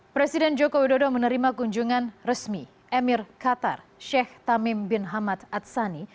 presiden joko widodo menerima kunjungan resmi emir qatar sheikh tamim bin hamad adsani